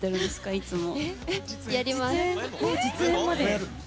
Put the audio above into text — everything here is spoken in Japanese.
いつも。